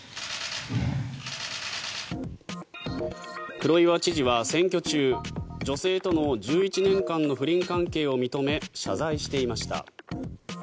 黒岩知事は選挙中女性との１１年間の不倫関係を認め謝罪していました。